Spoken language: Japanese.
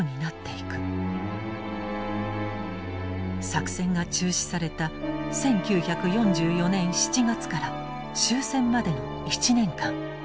作戦が中止された１９４４年７月から終戦までの１年間。